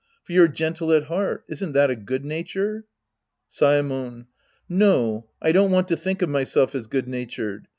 For you're gentle at heart. Isn't that a good nature ? Saemon. No, I don't want to think of myself as good natured.